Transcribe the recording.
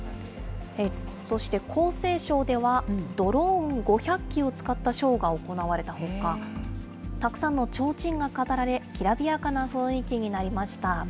そして江西省では、ドローン５００機を使ったショーが行われたほか、たくさんのちょうちんが飾られ、きらびやかな雰囲気になりました。